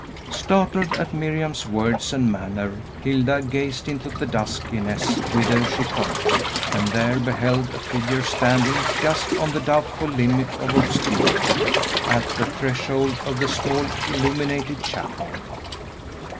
Startled at Miriam's words and manner, Hilda gazed into the duskiness whither she pointed, and there beheld a figure standing just on the doubtful limit of obscurity, at the threshold of the small, illuminated chapel.